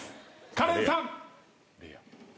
カレンさん。